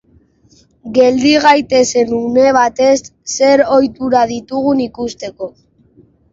Geldi gaitezen une batez, zer ohitura ditugun ikusteko.